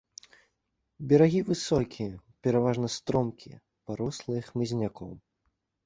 Берагі высокія, пераважна стромкія, парослыя хмызняком.